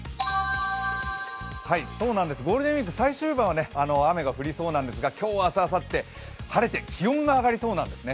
そうなんです、ゴールデンウイーク最終盤は雨が降りそうなんですが、今日、明日、あさって、晴れて気温が上がりそうなんですね。